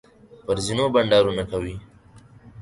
پر زینو بنډارونه کوي.